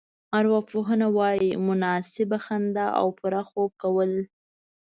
ارواپوهنه وايي مناسبه خندا او پوره خوب کول.